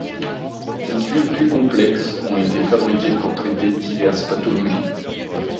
Des huiles plus complexes ont été fabriquées pour traiter diverses pathologies.